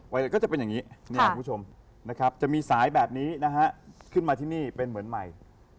ไวเลสก็จะเป็นอย่างนี้จะมีสายแบบนี้ขึ้นมาที่นี่เป็นเหมือนใหม่